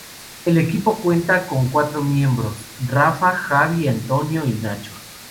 El grupo cuenta con cuatro miembros: Rafa, Xavi, Antonio y Nacho.